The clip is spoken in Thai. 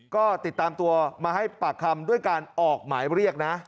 ก็ติดตามตัวมาให้ปากคำด้วยการออกหมายเรียกนะ